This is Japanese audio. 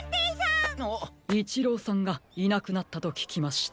イチローさんがいなくなったとききました。